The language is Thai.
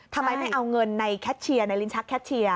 ทำไมไม่เอาเงินในแคทเชียร์ในลิ้นชักแคชเชียร์